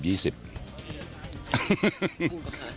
จริงป่ะคะ